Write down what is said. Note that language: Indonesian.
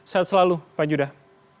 selamat selalu pak judah